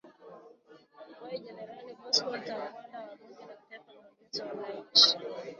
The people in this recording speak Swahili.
Wa Generali Bosco Ntaganda, wa Bunge la Kitaifa la Ulinzi wa Wananchi.